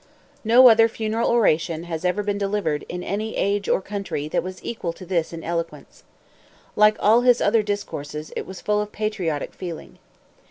No other funeral oration has ever been delivered in any age or country that was equal to this in eloquence. Like all his other discourses, it was full of patriotic feeling.